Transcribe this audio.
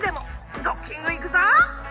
ドッキングいくぞ！